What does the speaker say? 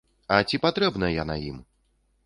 А ці патрэбна яна ім?